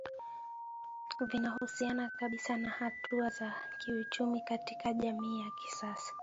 vinahusiana kabisa na hatua za kiuchumi katika jamii ya kisasa